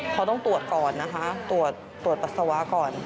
เขาต้องตรวจก่อนนะคะตรวจปัสสาวะก่อน